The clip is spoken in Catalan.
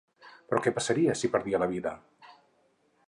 Però què passaria, si perdia la vida?